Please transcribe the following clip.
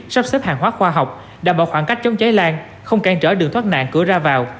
sắp xếp hàng hóa khoa học đảm bảo khoảng cách chống cháy lan không cản trở đường thoát nạn cửa ra vào